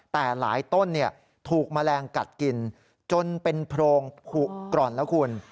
แต่หลายต้นถูกแมลงกัดกินจนเป็นโพรงผูกร่อนแล้วคุณ